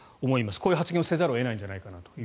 こういう発言をせざるを得ないんじゃないかなと。